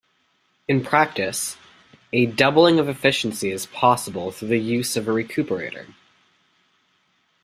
In practice, a doubling of efficiency is possible through the use of a recuperator.